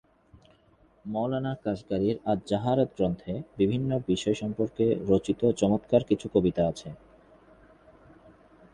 মওলানা কাশগড়ীর আয-যহারাত গ্রন্থে বিভিন্ন বিষয় সম্পর্কে রচিত চমৎকার কিছু কবিতা আছে।